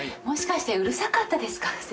もしかしてうるさかったですか？